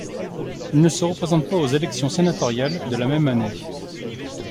Il ne se représente pas aux élections sénatoriales de la même année.